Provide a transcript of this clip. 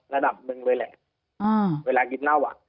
ระดับหนึ่งเลยแหละเวลากินเหล้าอ่ะ